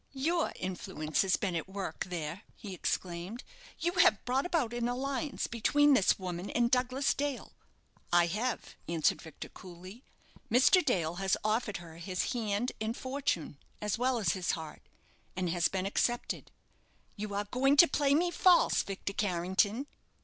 "Your influence has been at work there," he exclaimed. "You have brought about an alliance between this woman and Douglas Dale." "I have," answered Victor, coolly. "Mr. Dale has offered her his hand and fortune, as well as his heart, and has been accepted." "You are going to play me false, Victor Carrington!"